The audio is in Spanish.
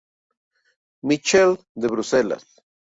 Michel" de Bruselas.